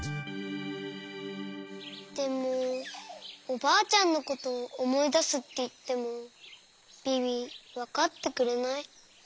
でもおばあちゃんのことおもいだすっていってもビビわかってくれない。